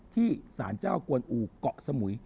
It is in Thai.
ที่ศานเจ้าควรอูเกาะสมุย